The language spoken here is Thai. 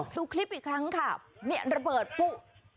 ดูคลิปอีกครั้งค่ะเนี่ยระเบิดปุ๊